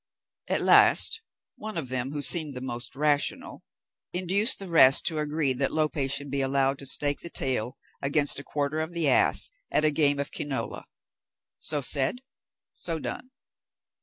At last, one of them, who seemed the most rational, induced the rest to agree that Lope should be allowed to stake the tail against a quarter of the ass at a game of quinola. So said, so done.